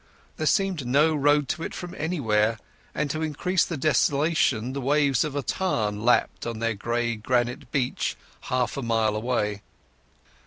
There seemed no road to it from anywhere, and to increase the desolation the waves of a tarn lapped on their grey granite beach half a mile away.